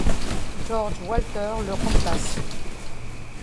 Georges Walter le remplace.